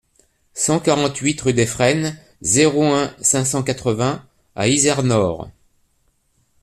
cent quarante-huit rue des Frênes, zéro un, cinq cent quatre-vingts à Izernore